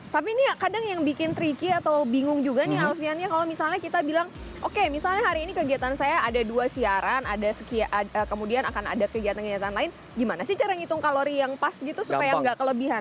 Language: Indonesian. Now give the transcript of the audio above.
tapi ini kadang yang bikin tricky atau bingung juga nih alfian ya kalau misalnya kita bilang oke misalnya hari ini kegiatan saya ada dua siaran kemudian akan ada kegiatan kegiatan lain gimana sih cara ngitung kalori yang pas gitu supaya nggak kelebihan